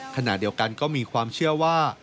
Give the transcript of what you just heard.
ขณะเดียวกันก็มีความเชื่อว่า